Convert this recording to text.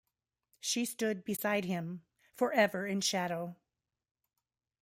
She stood beside him, for ever in shadow.